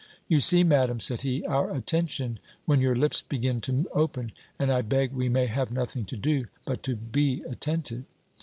"You see, Madam," said he, "our attention, when your lips begin to open; and I beg we may have nothing to do, but to be attentive."